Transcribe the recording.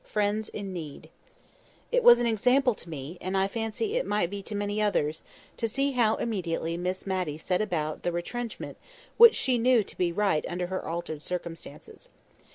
FRIENDS IN NEED IT was an example to me, and I fancy it might be to many others, to see how immediately Miss Matty set about the retrenchment which she knew to be right under her altered circumstances.